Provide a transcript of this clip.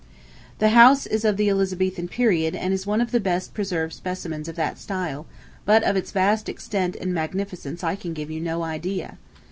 The house is of the Elizabethan period and is one of the best preserved specimens of that style, but of its vast extent and magnificence I can give you no idea.